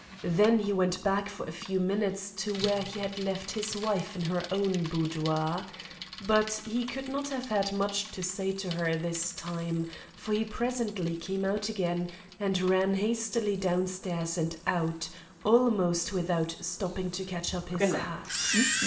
Then he went back for a few minutes to where he had left his wife, in her own boudoir. But he could not have had much to say to her this time, for he presently came out again and ran hastily downstairs and out, almost without stopping to catch up his hat.